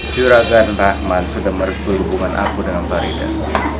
juragan rahman sudah merespu hubungan aku dengan faridah